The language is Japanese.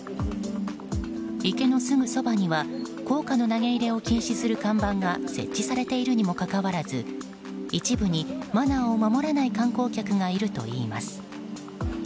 池のすぐそばには硬貨の投げ入れを禁止する看板が設置されているにもかかわらず一部にマナーを守らない観光客がいるといいます。